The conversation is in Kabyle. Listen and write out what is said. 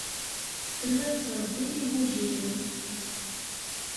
Tella tettṛebbi igujilen.